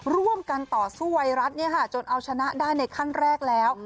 ร่วมกันต่อสู้ไวรัสจนเอาชนะได้ในขั้นแรกแล้ว